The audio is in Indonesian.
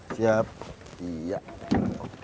ini untuk harga masuk